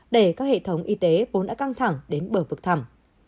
để các hệ thống y tế vốn đã căng thẳng đến bờ vực thảm